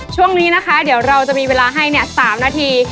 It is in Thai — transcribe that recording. ช่วงนี้นะคะเดี๋ยวเราจะมีเวลาให้๓นาที